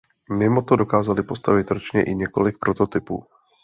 Mimoto dokázali postavit ročně i několik prototypů.